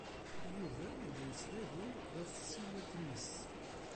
Yuba la yettnadi ɣef tsiwant-nnes.